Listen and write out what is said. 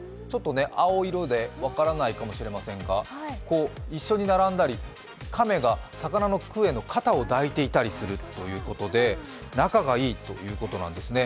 青色で分からないかもしれませんが一緒に並んだり、亀が魚のクエの肩を抱いていたりするということで、仲がいいということなんですね。